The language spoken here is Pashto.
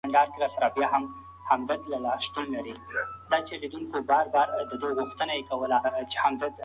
ټولنپوهنه د انسانیت لپاره یو خدمت دی.